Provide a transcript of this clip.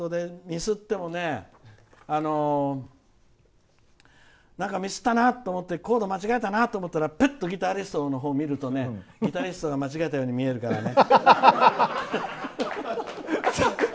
コンサートでミスってもなんか、ミスったなと思ってコード、ミスったなと思ってギタリストのほうを見るとギタリストが間違えたように見えるからね。